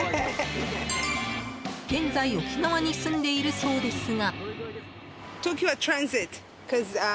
現在、沖縄に住んでいるそうですが。